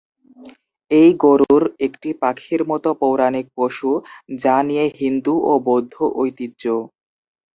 এই গরুড় একটি পাখির মতো পৌরাণিক পশু যা নিয়ে হিন্দু এবং বৌদ্ধ ঐতিহ্য।